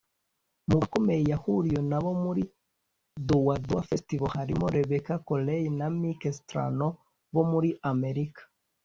Mu bakomeye yahuriye na bo muri Doadoa Festival harimo Rebecca Corey na Mike Strano bo muri Amerika